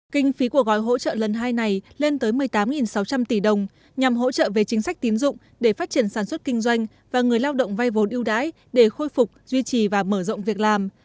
kinh phí của gói hỗ trợ lần hai này lên tới một mươi tám sáu trăm linh tỷ đồng nhằm hỗ trợ về chính sách tín dụng để phát triển sản xuất kinh doanh và người lao động vay vốn ưu đãi để khôi phục duy trì và mở rộng việc làm